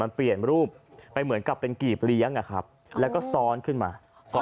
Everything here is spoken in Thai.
มันเปลี่ยนรูปไปเหมือนกับเป็นกีบเลี้ยงอะครับแล้วก็ซ้อนขึ้นมาซ้อน